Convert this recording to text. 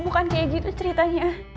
bukan kayak gitu ceritanya